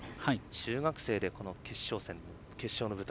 中学生で、この決勝の舞台